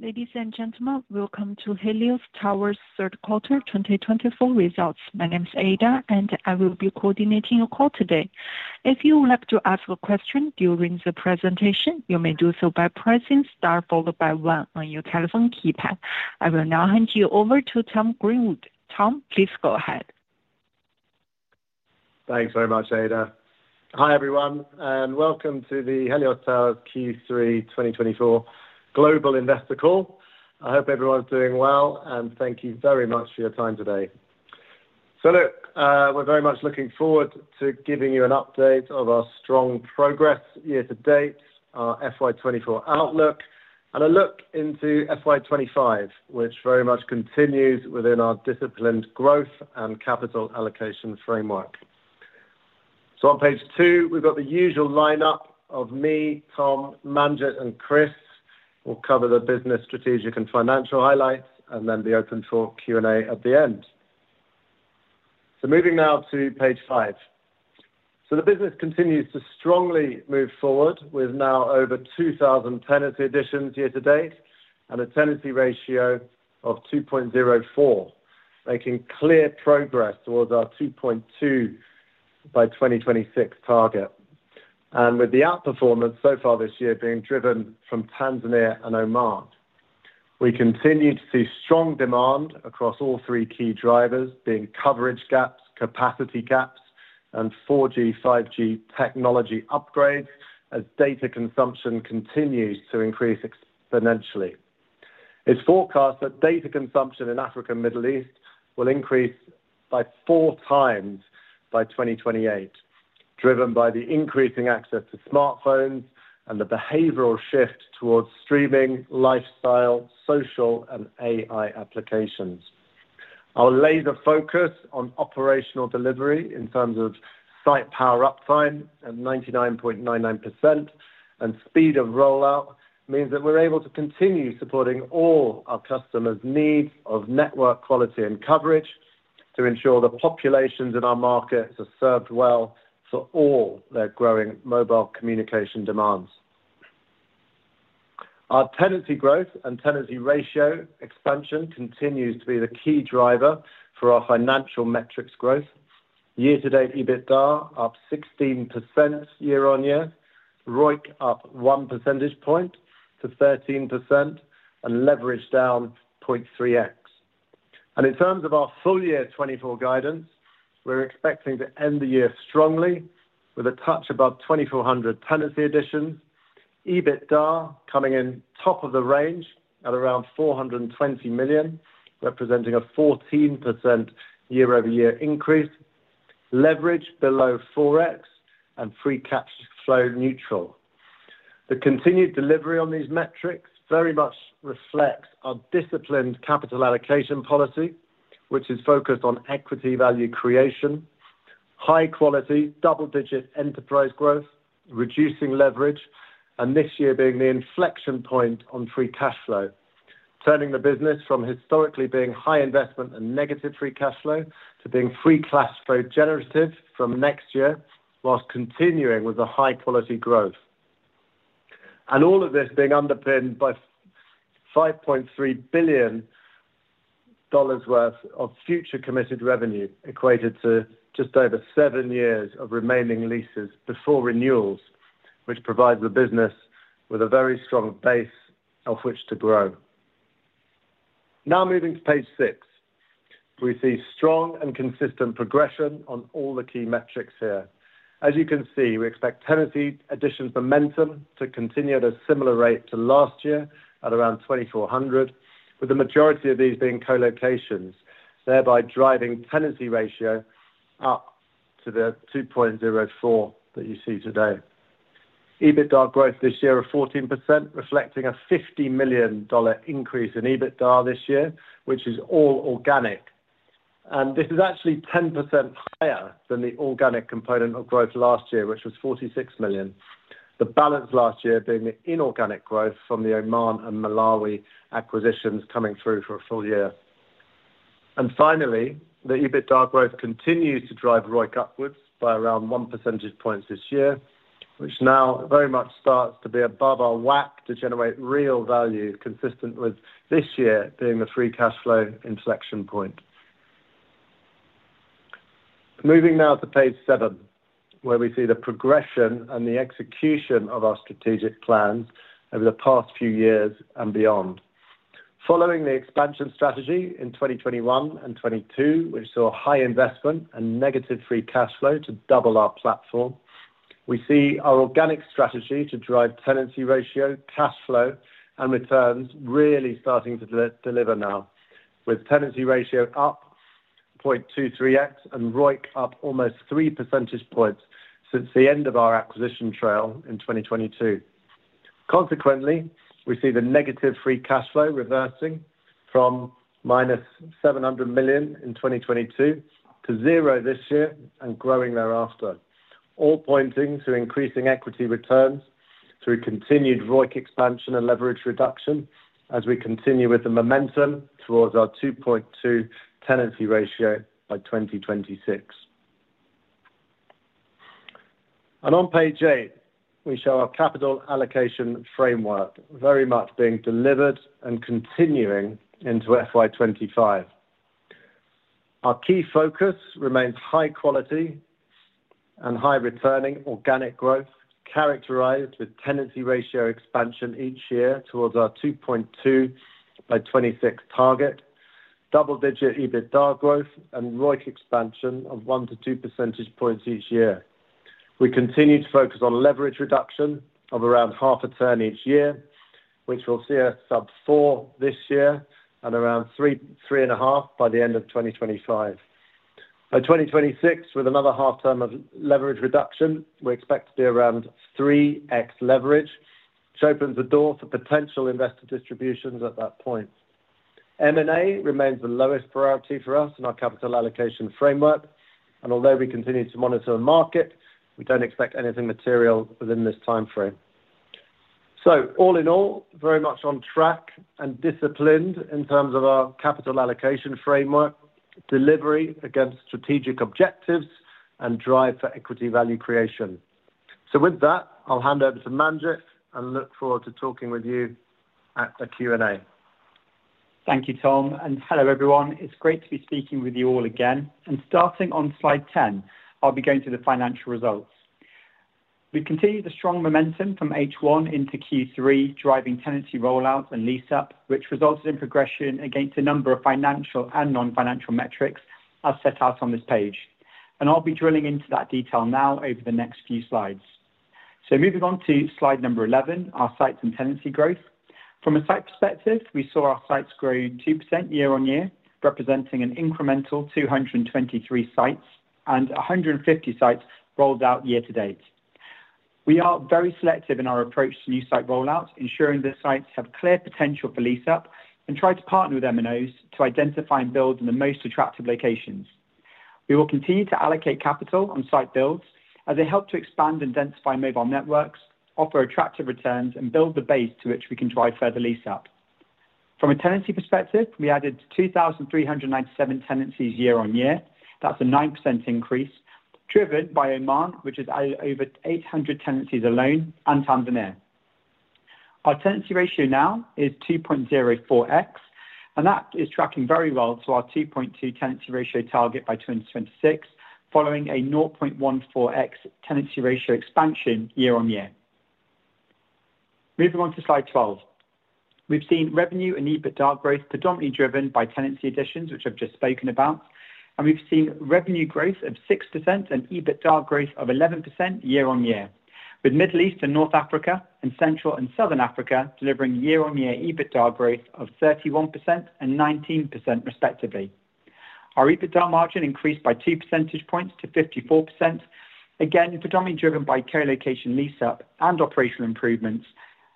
Ladies and gentlemen, welcome to Helios Towers Third Quarter 2024 results. My name is Ada, and I will be coordinating your call today. If you would like to ask a question during the presentation, you may do so by pressing star followed by one on your telephone keypad. I will now hand you over to Tom Greenwood. Tom, please go ahead. Thanks very much, Ada. Hi, everyone, and welcome to the Helios Towers Q3 2024 Global Investor Call. I hope everyone's doing well, and thank you very much for your time today, so look, we're very much looking forward to giving you an update of our strong progress year to date, our FY 2024 outlook, and a look into FY 2025, which very much continues within our disciplined growth and capital allocation framework, so on page two, we've got the usual lineup of me, Tom, Manjit, and Chris. We'll cover the business strategic and financial highlights, and then be open for Q&A at the end, so moving now to page five, so the business continues to strongly move forward with now over 2,000 tenancy additions year to date and a tenancy ratio of 2.04, making clear progress towards our 2.2 by 2026 target. With the outperformance so far this year being driven from Tanzania and Oman, we continue to see strong demand across all three key drivers, being coverage gaps, capacity gaps, and 4G/5G technology upgrades as data consumption continues to increase exponentially. It's forecast that data consumption in Africa and the Middle East will increase by four times by 2028, driven by the increasing access to smartphones and the behavioral shift towards streaming, lifestyle, social, and AI applications. Our laser focus on operational delivery in terms of site power uptime at 99.99% and speed of rollout means that we're able to continue supporting all our customers' needs of network quality and coverage to ensure the populations in our markets are served well for all their growing mobile communication demands. Our tenancy growth and tenancy ratio expansion continues to be the key driver for our financial metrics growth. Year-to-date EBITDA up 16% year-on-year, ROIC up one percentage point to 13%, and leverage down 0.3x, and in terms of our full year 2024 guidance, we're expecting to end the year strongly with a touch above 2,400 tenancy additions, EBITDA coming in top of the range at around $420 million, representing a 14% year-over-year increase, leverage below 4x, and free cash flow neutral. The continued delivery on these metrics very much reflects our disciplined capital allocation policy, which is focused on equity value creation, high-quality double-digit enterprise growth, reducing leverage, and this year being the inflection point on free cash flow, turning the business from historically being high investment and negative free cash flow to being free cash flow generative from next year, whilst continuing with the high-quality growth. And all of this being underpinned by $5.3 billion worth of future committed revenue equated to just over seven years of remaining leases before renewals, which provides the business with a very strong base off which to grow. Now moving to page six, we see strong and consistent progression on all the key metrics here. As you can see, we expect tenancy addition momentum to continue at a similar rate to last year at around 2,400, with the majority of these being co-locations, thereby driving tenancy ratio up to the 2.04 that you see today. EBITDA growth this year of 14%, reflecting a $50 million increase in EBITDA this year, which is all organic. And this is actually 10% higher than the organic component of growth last year, which was $46 million. The balance last year being the inorganic growth from the Oman and Malawi acquisitions coming through for a full year, and finally, the EBITDA growth continues to drive ROIC upwards by around one percentage point this year, which now very much starts to be above our WACC to generate real value, consistent with this year being the free cash flow inflection point. Moving now to page seven, where we see the progression and the execution of our strategic plans over the past few years and beyond. Following the expansion strategy in 2021 and 2022, which saw high investment and negative free cash flow to double our platform, we see our organic strategy to drive tenancy ratio, cash flow, and returns really starting to deliver now, with tenancy ratio up 0.23x and ROIC up almost three percentage points since the end of our acquisition trail in 2022. Consequently, we see the negative free cash flow reversing from -$700 million in 2022 to zero this year and growing thereafter, all pointing to increasing equity returns through continued ROIC expansion and leverage reduction as we continue with the momentum towards our 2.2 tenancy ratio by 2026, and on page eight, we show our capital allocation framework very much being delivered and continuing into FY 2025. Our key focus remains high quality and high returning organic growth, characterized with tenancy ratio expansion each year towards our 2.2 by 2026 target, double-digit EBITDA growth, and ROIC expansion of 1-2 percentage points each year. We continue to focus on leverage reduction of around 0.5 turn each year, which we'll see sub-4 this year and around 3.5 by the end of 2025. By 2026, with another half turn of leverage reduction, we expect to be around 3x leverage, which opens the door for potential investor distributions at that point. M&A remains the lowest priority for us in our capital allocation framework, and although we continue to monitor the market, we don't expect anything material within this timeframe. So, all in all, very much on track and disciplined in terms of our capital allocation framework, delivery against strategic objectives, and drive for equity value creation. So, with that, I'll hand over to Manjit and look forward to talking with you at the Q&A. Thank you, Tom, and hello, everyone. It's great to be speaking with you all again, and starting on slide 10, I'll be going through the financial results. We continue the strong momentum from H1 into Q3, driving tenancy rollout and lease-up, which resulted in progression against a number of financial and non-financial metrics as set out on this page, and I'll be drilling into that detail now over the next few slides, so moving on to slide number 11, our sites and tenancy growth. From a site perspective, we saw our sites grow 2% year-on-year, representing an incremental 223 sites and 150 sites rolled out year to date. We are very selective in our approach to new site rollouts, ensuring that sites have clear potential for lease-up and try to partner with MNOs to identify and build in the most attractive locations. We will continue to allocate capital on site builds as they help to expand and densify mobile networks, offer attractive returns, and build the base to which we can drive further lease-up. From a tenancy perspective, we added 2,397 tenancies year-on-year. That's a 9% increase, driven by Oman, which has added over 800 tenancies alone, and Tanzania. Our tenancy ratio now is 2.04x, and that is tracking very well to our 2.2 tenancy ratio target by 2026, following a 0.14x tenancy ratio expansion year-on-year. Moving on to slide 12, we've seen revenue and EBITDA growth predominantly driven by tenancy additions, which I've just spoken about, and we've seen revenue growth of 6% and EBITDA growth of 11% year-on-year, with Middle East and North Africa and Central and Southern Africa delivering year-on-year EBITDA growth of 31% and 19%, respectively. Our EBITDA margin increased by two percentage points to 54%, again, predominantly driven by co-location lease-up and operational improvements,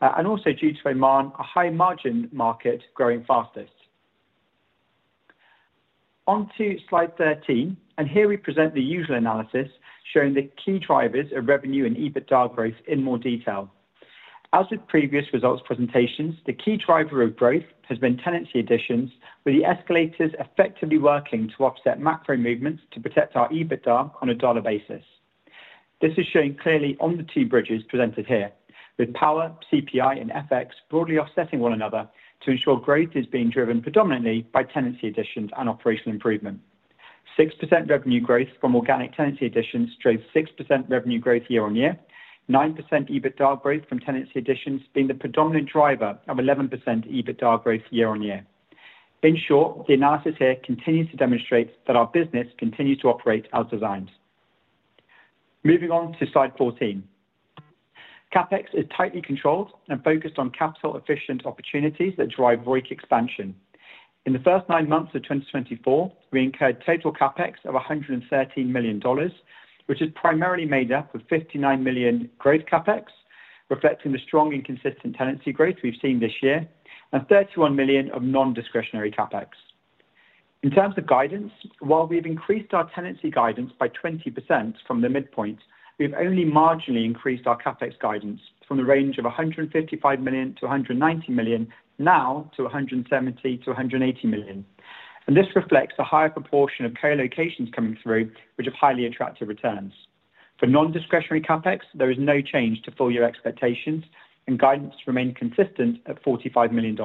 and also due to Oman, a high-margin market growing fastest. On to slide 13, and here we present the usual analysis showing the key drivers of revenue and EBITDA growth in more detail. As with previous results presentations, the key driver of growth has been tenancy additions, with the escalators effectively working to offset macro movements to protect our EBITDA on a dollar basis. This is shown clearly on the two bridges presented here, with power, CPI, and FX broadly offsetting one another to ensure growth is being driven predominantly by tenancy additions and operational improvement. 6% revenue growth from organic tenancy additions drove 6% revenue growth year-on-year, 9% EBITDA growth from tenancy additions being the predominant driver of 11% EBITDA growth year-on-year. In short, the analysis here continues to demonstrate that our business continues to operate as designed. Moving on to slide 14, CapEx is tightly controlled and focused on capital-efficient opportunities that drive ROIC expansion. In the first nine months of 2024, we incurred total CapEx of $113 million, which is primarily made up of $59 million gross CapEx, reflecting the strong and consistent tenancy growth we've seen this year, and $31 million of non-discretionary CapEx. In terms of guidance, while we've increased our tenancy guidance by 20% from the midpoint, we've only marginally increased our CapEx guidance from the range of $155 million-$190 million, now to $170 million-$180 million, and this reflects a higher proportion of co-locations coming through, which have highly attractive returns. For non-discretionary CapEx, there is no change to full-year expectations, and guidance remained consistent at $45 million.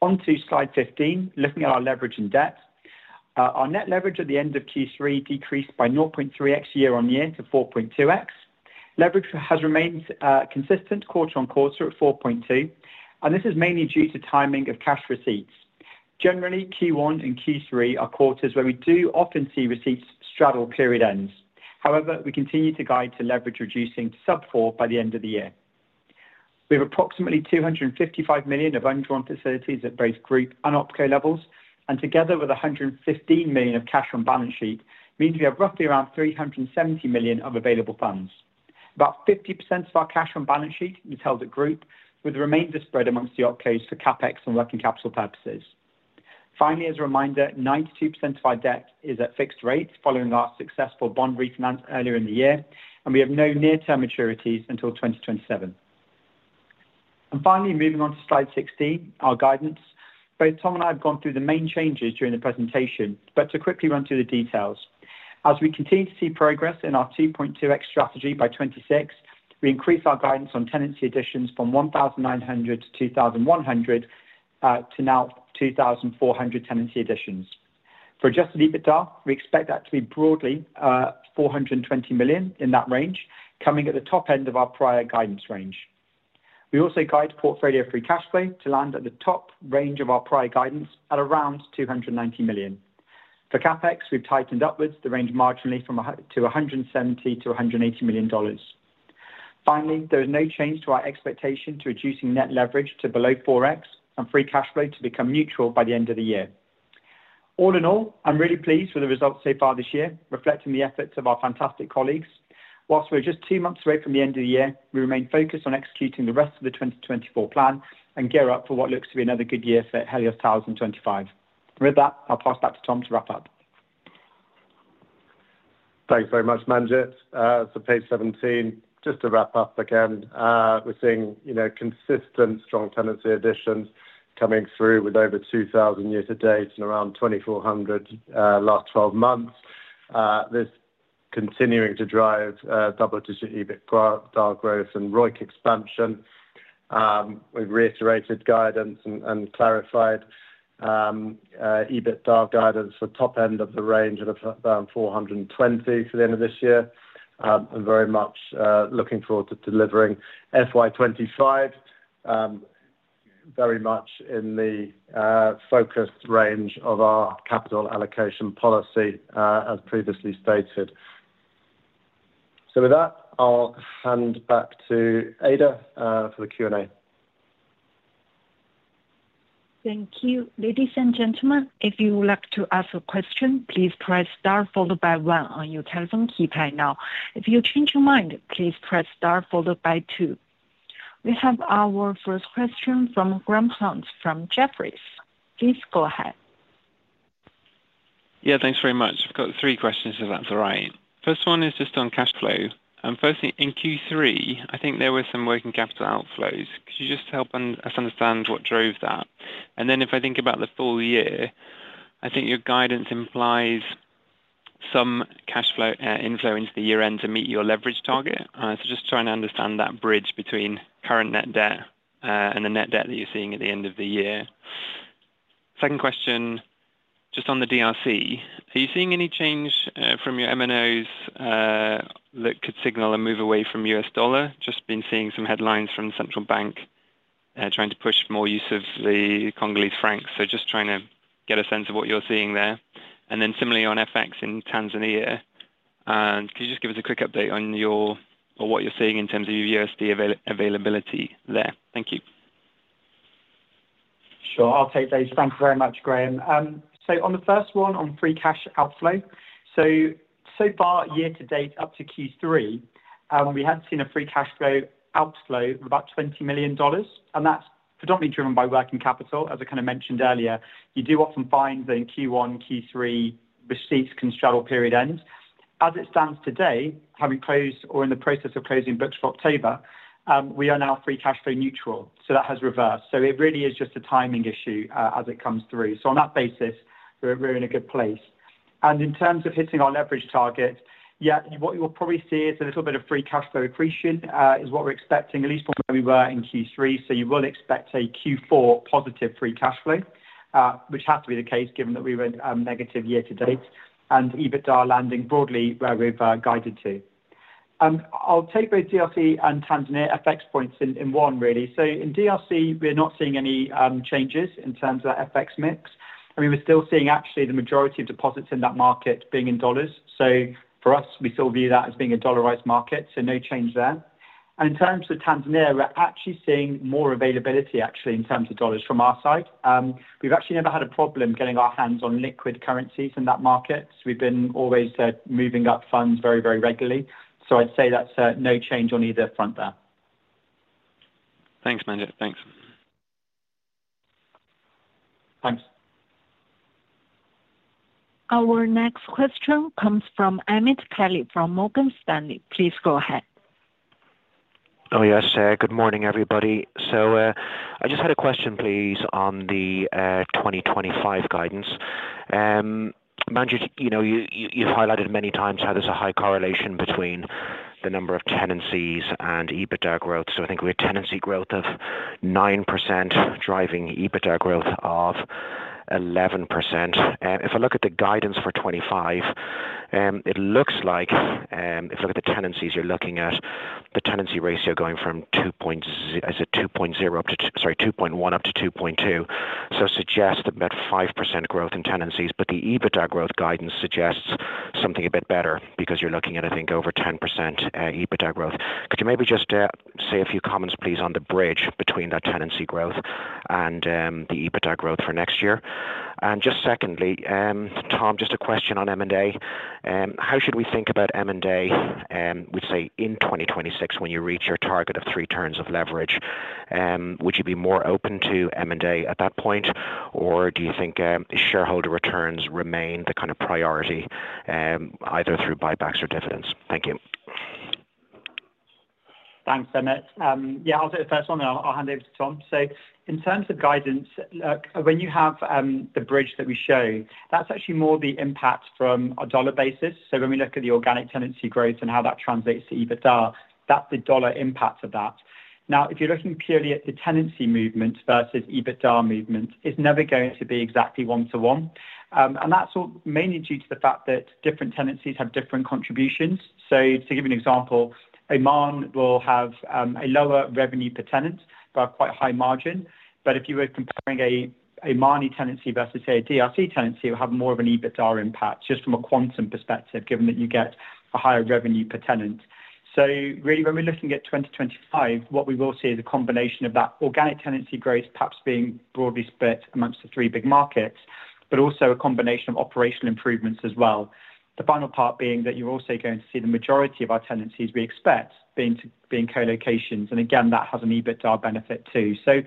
On to slide 15, looking at our leverage and debt. Our net leverage at the end of Q3 decreased by 0.3x year-on-year to 4.2x. Leverage has remained consistent quarter on quarter at 4.2, and this is mainly due to timing of cash receipts. Generally, Q1 and Q3 are quarters where we do often see receipts straddle period ends. However, we continue to guide to leverage reducing to sub four by the end of the year. We have approximately $255 million of undrawn facilities at both group and OpCo levels, and together with $115 million of cash on balance sheet means we have roughly around $370 million of available funds. About 50% of our cash on balance sheet is held at group, with the remainder spread amongst the OpCos for CAPEX and working capital purposes. Finally, as a reminder, 92% of our debt is at fixed rates following our successful bond refinance earlier in the year, and we have no near-term maturities until 2027. And finally, moving on to slide 16, our guidance. Both Tom and I have gone through the main changes during the presentation, but to quickly run through the details. As we continue to see progress in our 2.2x strategy by 2026, we increased our guidance on tenancy additions from 1,900 to 2,100 to now 2,400 tenancy additions. For adjusted EBITDA, we expect that to be broadly $420 million in that range, coming at the top end of our prior guidance range. We also guide portfolio free cash flow to land at the top range of our prior guidance at around $290 million. For CAPEX, we've tightened upwards the range marginally to $170 million-$180 million. Finally, there is no change to our expectation to reducing net leverage to below 4x and free cash flow to become neutral by the end of the year. All in all, I'm really pleased with the results so far this year, reflecting the efforts of our fantastic colleagues. While we're just two months away from the end of the year, we remain focused on executing the rest of the 2024 plan and gear up for what looks to be another good year for Helios Towers in 2025. And with that, I'll pass back to Tom to wrap up. Thanks very much, Manjit. So page 17, just to wrap up again, we're seeing consistent strong tenancy additions coming through with over 2,000 year to date and around 2,400 last 12 months. This continuing to drive double-digit EBITDA growth and ROIC expansion. We've reiterated guidance and clarified EBITDA guidance for top end of the range at around 420 for the end of this year. And very much looking forward to delivering FY 2025 very much in the focused range of our capital allocation policy, as previously stated. So with that, I'll hand back to Ada for the Q&A. Thank you. Ladies and gentlemen, if you would like to ask a question, please press star followed by one on your telephone keypad now. If you change your mind, please press star followed by two. We have our first question from Graham Hunt from Jefferies. Please go ahead. Yeah, thanks very much. I've got three questions to that, right? First one is just on cash flow. And firstly, in Q3, I think there were some working capital outflows. Could you just help us understand what drove that? And then if I think about the full year, I think your guidance implies some cash flow inflow into the year-end to meet your leverage target. So just trying to understand that bridge between current net debt and the net debt that you're seeing at the end of the year. Second question, just on the DRC, are you seeing any change from your MNOs that could signal a move away from U.S. dollar? Just been seeing some headlines from the central bank trying to push more use of the Congolese franc, so just trying to get a sense of what you're seeing there. And then similarly on FX in Tanzania, could you just give us a quick update on your or what you're seeing in terms of your USD availability there? Thank you. Sure, I'll take those. Thanks very much, Graham, so on the first one on free cash outflow, so so far year to date up to Q3, we had seen a free cash flow outflow of about $20 million, and that's predominantly driven by working capital, as I kind of mentioned earlier. You do often find that in Q1, Q3, receipts can straddle period ends. As it stands today, having closed or in the process of closing books for October, we are now free cash flow neutral, so that has reversed, so it really is just a timing issue as it comes through. So on that basis, we're in a good place, and in terms of hitting our leverage target, yeah, what you'll probably see is a little bit of free cash flow accretion is what we're expecting, at least from where we were in Q3. So you will expect a Q4 positive free cash flow, which has to be the case given that we were negative year to date and EBITDA landing broadly where we've guided to. I'll take both DRC and Tanzania FX points in one, really. So in DRC, we're not seeing any changes in terms of that FX mix. I mean, we're still seeing actually the majority of deposits in that market being in dollars. So for us, we still view that as being a dollarized market, so no change there. And in terms of Tanzania, we're actually seeing more availability actually in terms of dollars from our side. We've actually never had a problem getting our hands on liquid currencies in that market. We've been always moving up funds very, very regularly. So I'd say that's no change on either front there. Thanks, Manjit. Thanks. Thanks. Our next question comes from Emmet Kelly from Morgan Stanley. Please go ahead. Oh, yes, good morning, everybody. So I just had a question, please, on the 2025 guidance. Manjit, you've highlighted many times how there's a high correlation between the number of tenancies and EBITDA growth. So I think we had tenancy growth of 9% driving EBITDA growth of 11%. If I look at the guidance for 2025, it looks like if you look at the tenancies you're looking at, the tenancy ratio going from 2.0 up to, sorry, 2.1 up to 2.2, so suggests about 5% growth in tenancies. But the EBITDA growth guidance suggests something a bit better because you're looking at, I think, over 10% EBITDA growth. Could you maybe just say a few comments, please, on the bridge between that tenancy growth and the EBITDA growth for next year? And just secondly, Tom, just a question on M&A. How should we think about M&A, we'd say in 2026 when you reach your target of three turns of leverage? Would you be more open to M&A at that point, or do you think shareholder returns remain the kind of priority either through buybacks or dividends? Thank you. Thanks, Emmet. Yeah, I'll take the first one, and I'll hand over to Tom. So in terms of guidance, when you have the bridge that we show, that's actually more the impact from a dollar basis. So when we look at the organic tenancy growth and how that translates to EBITDA, that's the dollar impact of that. Now, if you're looking purely at the tenancy movement versus EBITDA movement, it's never going to be exactly one-to-one. And that's mainly due to the fact that different tenancies have different contributions. So to give you an example, Oman will have a lower revenue per tenant but a quite high margin. But if you were comparing an Omani tenancy versus a DRC tenancy, it will have more of an EBITDA impact just from a quantum perspective, given that you get a higher revenue per tenant. So really, when we're looking at 2025, what we will see is a combination of that organic tenancy growth perhaps being broadly split among the three big markets, but also a combination of operational improvements as well. The final part being that you're also going to see the majority of our tenancies we expect being co-locations. And again, that has an EBITDA benefit too. So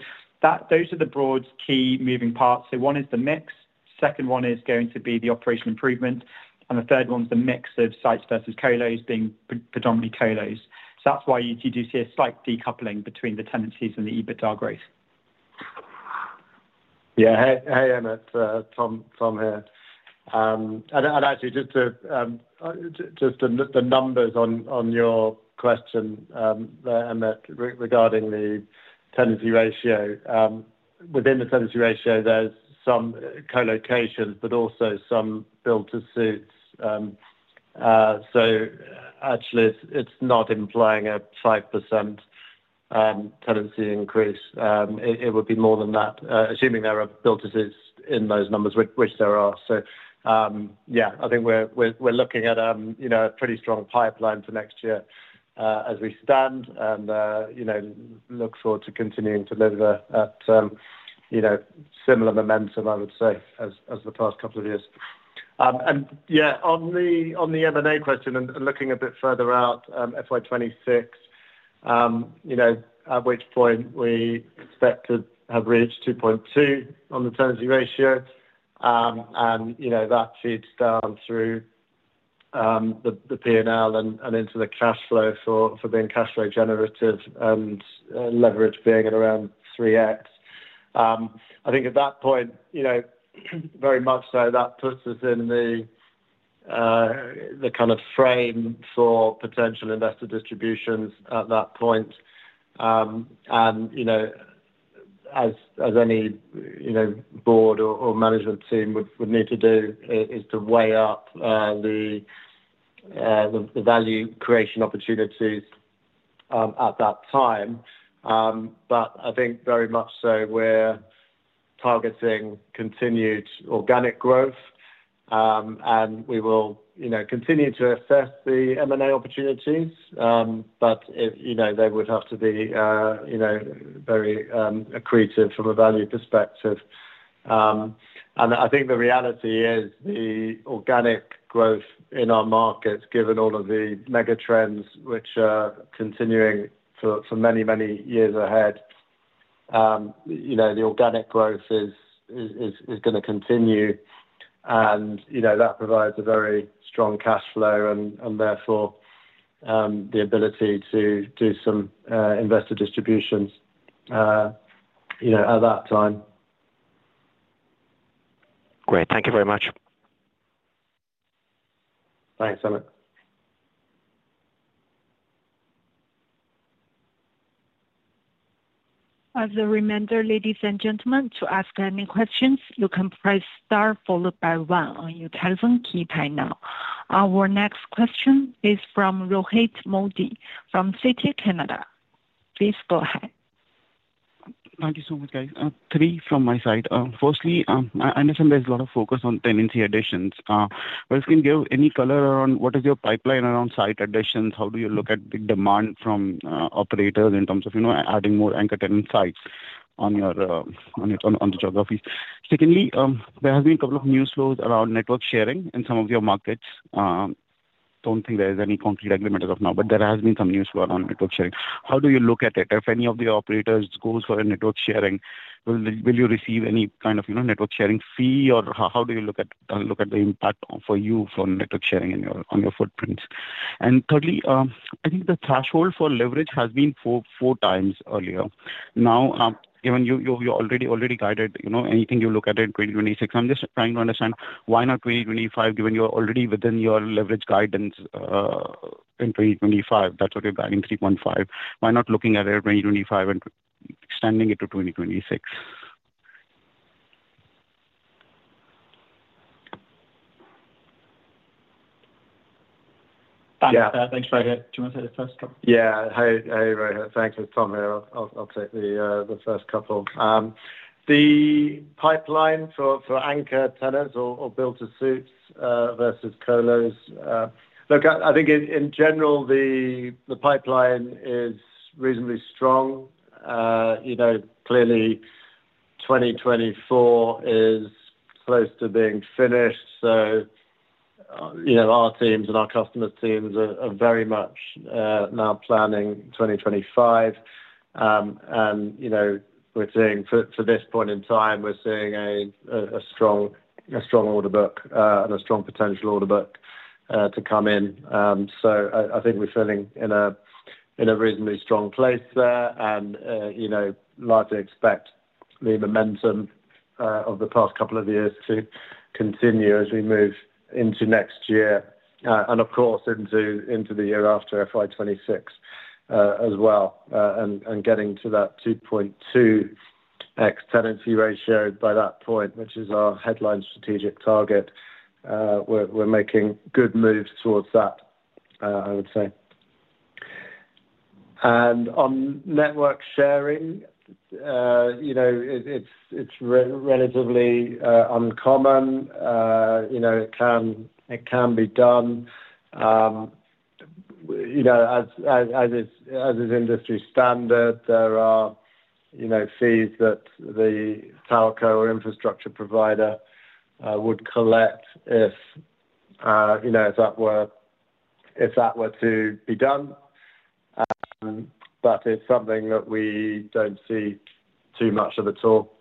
those are the broad key moving parts. So one is the mix. Second one is going to be the operational improvement. And the third one is the mix of sites versus co-los being predominantly co-los. So that's why you do see a slight decoupling between the tenancies and the EBITDA growth. Yeah, hey, Emmet. Tom here. And actually, just the numbers on your question, Emmet, regarding the tenancy ratio. Within the tenancy ratio, there's some co-locations, but also some build-to-suits. So actually, it's not implying a 5% tenancy increase. It would be more than that, assuming there are build-to-suits in those numbers, which there are. So yeah, I think we're looking at a pretty strong pipeline for next year as we stand and look forward to continuing to live at similar momentum, I would say, as the past couple of years. And yeah, on the M&A question and looking a bit further out, FY 2026, at which point we expect to have reached 2.2 on the tenancy ratio. And that feeds down through the P&L and into the cash flow for being cash flow generative and leverage being at around 3x. I think at that point, very much so, that puts us in the kind of frame for potential investor distributions at that point. And as any board or management team would need to do, is to weigh up the value creation opportunities at that time. But I think very much so, we're targeting continued organic growth, and we will continue to assess the M&A opportunities, but they would have to be very accretive from a value perspective. And I think the reality is the organic growth in our markets, given all of the megatrends which are continuing for many, many years ahead, the organic growth is going to continue. And that provides a very strong cash flow and therefore the ability to do some investor distributions at that time. Great. Thank you very much. Thanks, Amit. As a reminder, ladies and gentlemen, to ask any questions, you can press star followed by one on your telephone keypad now. Our next question is from Rohit Modi from Citi Canada. Please go ahead. Thank you so much, guys. Three from my side. Firstly, I understand there's a lot of focus on tenancy additions. But can you give any color around what is your pipeline around site additions? How do you look at the demand from operators in terms of adding more anchor tenant sites on the geographies? Secondly, there has been a couple of news flows around network sharing in some of your markets. Don't think there is any concrete agreement as of now, but there has been some news flow around network sharing. How do you look at it? If any of the operators goes for a network sharing, will you receive any kind of network sharing fee? Or how do you look at the impact for you from network sharing on your footprints? And thirdly, I think the threshold for leverage has been four times earlier. Now, given you're already guiding, anything you look at in 2026, I'm just trying to understand why not 2025, given you're already within your leverage guidance in 2025? That's what you're guiding 3.5. Why not looking at it in 2025 and extending it to 2026? Thanks, Rohit. Do you want to take the first couple? Yeah. Hey, Rohit. Thanks. It's Tom here. I'll take the first couple. The pipeline for anchor tenants or build-to-suits versus co-los. Look, I think in general, the pipeline is reasonably strong. Clearly, 2024 is close to being finished. So our teams and our customer teams are very much now planning 2025. And we're seeing, for this point in time, we're seeing a strong order book and a strong potential order book to come in. So I think we're feeling in a reasonably strong place there. And largely expect the momentum of the past couple of years to continue as we move into next year and, of course, into the year after FY 2026 as well. And getting to that 2.2x tenancy ratio by that point, which is our headline strategic target, we're making good moves towards that, I would say. On network sharing, it's relatively uncommon. It can be done. As is industry standard, there are fees that the telco or infrastructure provider would collect if that were to be done. It's something that we don't see too much of at all.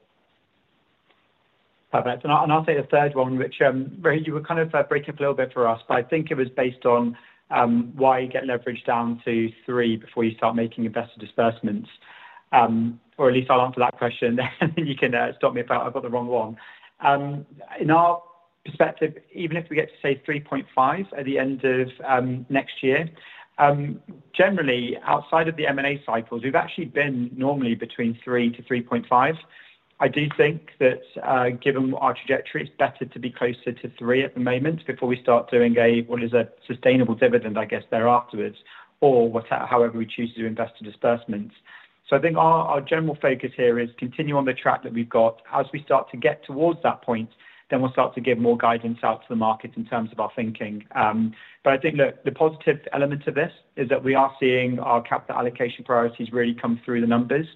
Perfect. And I'll take the third one, which, Rohit, you were kind of breaking up a little bit for us, but I think it was based on why you get leverage down to three before you start making investor disbursements. Or at least I'll answer that question, and then you can stop me if I've got the wrong one. In our perspective, even if we get to, say, 3.5 at the end of next year, generally, outside of the M&A cycles, we've actually been normally between 3 to 3.5. I do think that, given our trajectory, it's better to be closer to three at the moment before we start doing what is a sustainable dividend, I guess, thereafter, or however we choose to do investor disbursements. So I think our general focus here is continue on the track that we've got. As we start to get towards that point, then we'll start to give more guidance out to the markets in terms of our thinking. But I think, look, the positive element of this is that we are seeing our capital allocation priorities really come through the numbers.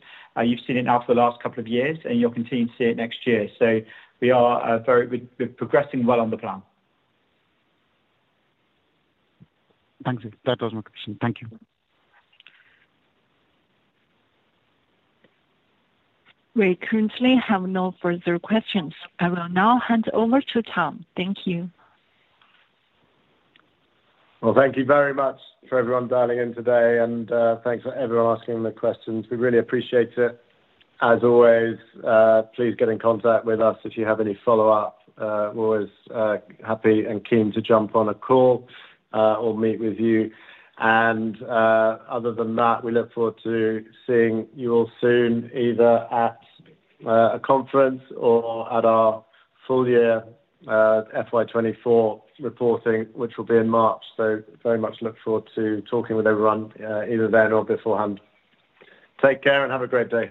You've seen it now for the last couple of years, and you'll continue to see it next year. So we are progressing well on the plan. Thanks. That was my question. Thank you. We currently have no further questions. I will now hand over to Tom. Thank you. Thank you very much for everyone dialing in today, and thanks for everyone asking the questions. We really appreciate it. As always, please get in contact with us if you have any follow-up. We're always happy and keen to jump on a call or meet with you. Other than that, we look forward to seeing you all soon, either at a conference or at our full-year FY 2024 reporting, which will be in March. Very much look forward to talking with everyone either then or beforehand. Take care and have a great day.